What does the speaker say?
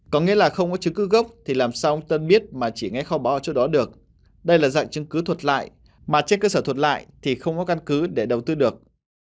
có nghĩa là không có chứng cứ gốc thì làm sao ông tân biết mà chỉ nghe kho báu ở chỗ đó được đây là dạng chứng cứ thuật lại mà trên cơ sở thuật lại thì không có căn cứ để đầu tư được